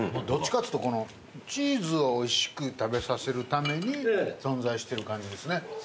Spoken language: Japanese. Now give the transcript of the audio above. どっちかっつうとチーズをおいしく食べさせるために存在してる感じですね